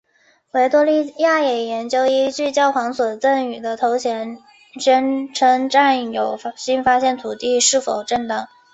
维多利亚也研究依据教皇所赠与的头衔宣称占有新发现土地是否正当。